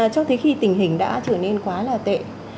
cho thấy khi tình hình đã trở nên quá là tệ